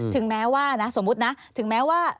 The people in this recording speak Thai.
ถึงแม้ว่านะสมมุตินะถึงแม้ว่า